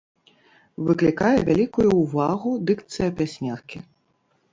Выклікае вялікую ўвагу дыкцыя пясняркі.